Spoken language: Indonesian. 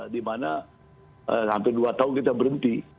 dimana hampir dua tahun kita berhenti